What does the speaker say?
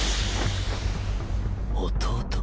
弟？